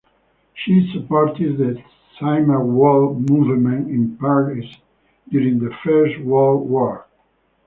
She supported the Zimmerwald movement in Paris during the First World War.